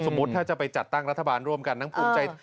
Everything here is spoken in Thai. สมมุติถ้าจะไปจัดตั้งรัฐบาลร่วมกันนางภูมิใจ